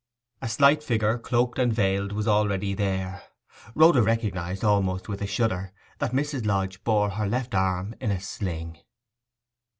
A slight figure, cloaked and veiled, was already there. Rhoda recognized, almost with a shudder, that Mrs. Lodge bore her left arm in a sling.